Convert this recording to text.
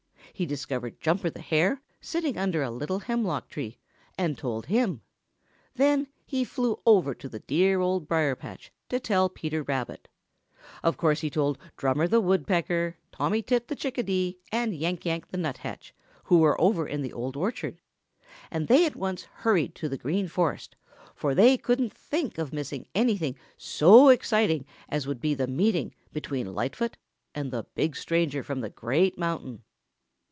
He discovered Jumper the Hare sitting under a little hemlock tree and told him. Then he flew over to the dear Old Briar patch to tell Peter Rabbit. Of course he told Drummer the Woodpecker, Tommy Tit the Chickadee, and Yank Yank the Nuthatch, who were over in the Old Orchard, and they at once hurried to the Green Forest, for they couldn't think of missing anything so exciting as would be the meeting between Lightfoot and the big stranger from the Great Mountain.